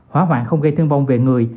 hóa hoạn không gây thương vong về người